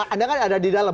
anda kan ada di dalam